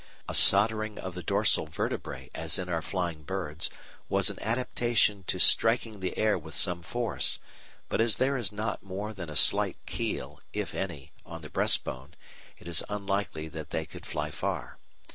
A soldering of the dorsal vertebræ as in our Flying Birds was an adaptation to striking the air with some force, but as there is not more than a slight keel, if any, on the breast bone, it is unlikely that they could fly far.